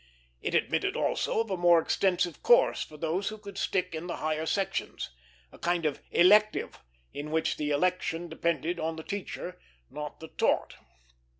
It admitted also of a more extensive course for those who could stick in the higher sections a kind of elective, in which the election depended on the teacher, not the taught.